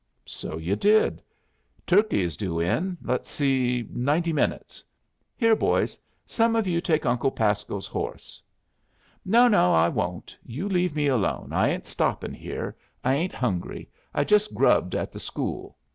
"So you did. Turkey is due in let's see ninety minutes. Here, boys! some of you take Uncle Pasco's horse." "No, no, I won't. You leave me alone. I ain't stoppin' here. I ain't hungry. I just grubbed at the school.